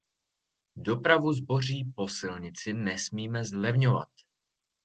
Dopravu zboří po silnici nesmíme zlevňovat.